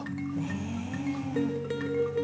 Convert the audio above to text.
ねえ。